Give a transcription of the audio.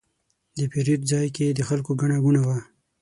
د پیرود ځای کې د خلکو ګڼه ګوڼه وه.